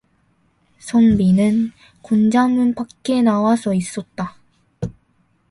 선비는 공장문 밖에 나와 서 있었다.